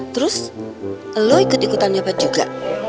terus lu ikut ikutan nyopet juga